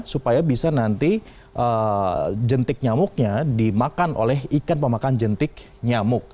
supaya bisa nanti jentik nyamuknya dimakan oleh ikan pemakan jentik nyamuk